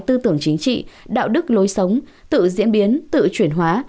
tư tưởng chính trị đạo đức lối sống tự diễn biến tự chuyển hóa